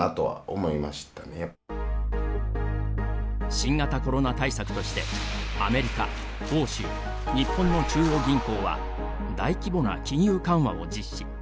新型コロナ対策としてアメリカ、欧州日本の中央銀行は大規模な金融緩和を実施。